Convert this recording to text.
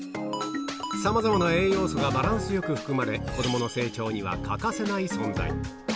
さまざまな栄養素がバランスよく含まれ、子どもの成長には欠かせない存在。